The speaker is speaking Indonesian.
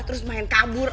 terus main kabur